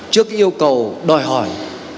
trước yêu cầu đòi hỏi